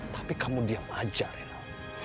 tapi kamu diam aja renal